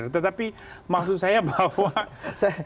tetapi maksud saya bahwa